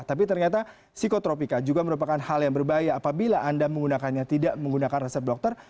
tapi ternyata psikotropika juga merupakan hal yang berbahaya apabila anda menggunakannya tidak menggunakan resep dokter